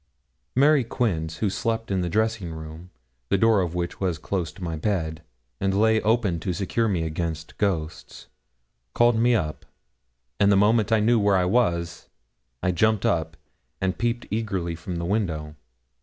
Mary Quince, who slept in the dressing room, the door of which was close to my bed, and lay open to secure me against ghosts, called me up; and the moment I knew where I was I jumped up, and peeped eagerly from the window.